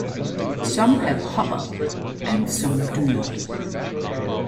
Some have hop-up and some do not.